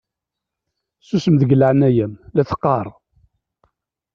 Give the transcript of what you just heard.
Susem deg leɛnaya-m la teqqaṛ!